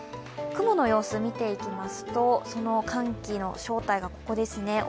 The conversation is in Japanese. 雲の様子を見ていきますと、その寒気の正体がここですね。